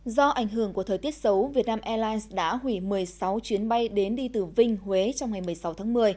do ảnh hưởng của thời tiết xấu vietnam airlines đã hủy một mươi sáu chuyến bay đến đi từ vinh huế trong ngày một mươi sáu tháng một mươi